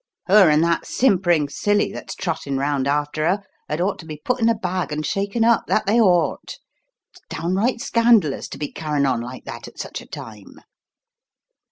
Her and that simpering silly that's trotting round after her had ought to be put in a bag and shaken up, that they ought. It's downright scandalous to be carrying on like that at such a time."